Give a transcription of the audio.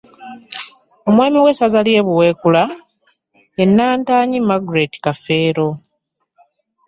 Omwami w'essaza ly'e Buweekula, ye Nantaayi Margaret Kafeero